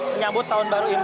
menyambut tahun baru